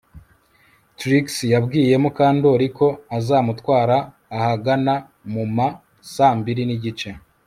Trix yabwiye Mukandoli ko azamutwara ahagana mu ma saa mbiri nigice